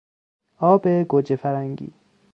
آب گوجهفرنگی